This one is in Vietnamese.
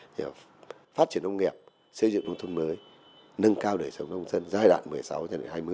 và phát triển nông nghiệp xây dựng nông thôn mới nâng cao thời sống nông dân giai đoạn một mươi sáu hai nghìn hai mươi